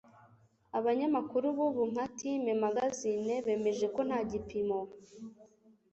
abanyamakuru bubu nka Time magazine bemeje ko nta gipimo